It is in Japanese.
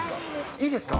いいですか？